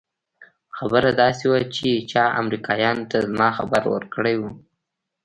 خبره داسې وه چې چا امريکايانو ته زما خبر ورکړى و.